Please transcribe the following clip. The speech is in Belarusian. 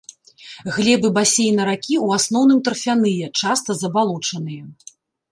Глебы басейна ракі ў асноўным тарфяныя, часта забалочаныя.